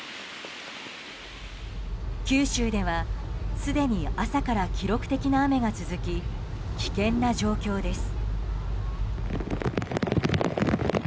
九州では、すでに朝から記録的な雨が続き危険な状況です。